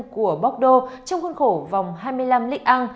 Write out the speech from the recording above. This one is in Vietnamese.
của bordeaux trong khuôn khổ vòng hai mươi năm ligue một